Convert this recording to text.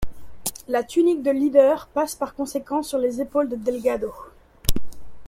La tunique de leader passe par conséquent sur les épaules de Delgado.